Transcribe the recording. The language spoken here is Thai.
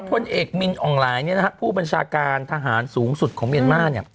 คนเอกมินออนไลน์เนี่ยนะฮะผู้บัญชาการทหารสูงสุดของเมียนมานเนี่ย